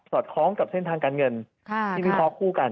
สอดคล้องกับเส้นทางการเงินที่มีพอคู่กัน